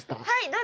はい。